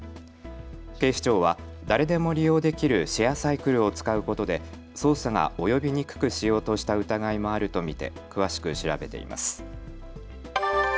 警視庁は誰でも利用できるシェアサイクルを使うことで捜査が及びにくくしようとした疑いもあると見て詳しく調べています。